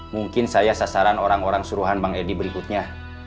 mungkin saya sasaran orang orang suruhan bang edi berikutnya